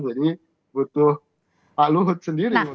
jadi butuh pak luhut sendiri